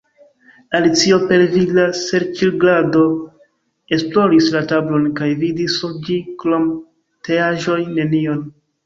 Alicio per vigla serĉrigardo esploris la tablon, kaj vidis sur ĝi krom teaĵoj nenion.